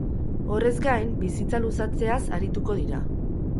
Horrez gain, bizitza luzatzeaz arituko dira.